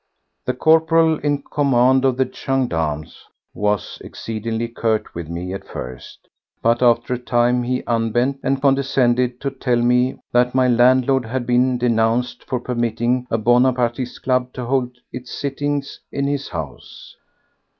The corporal in command of the gendarmes was exceedingly curt with me at first, but after a time he unbent and condescended to tell me that my landlord had been denounced for permitting a Bonapartiste club to hold its sittings in his house.